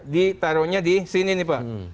ditaruhnya di sini pak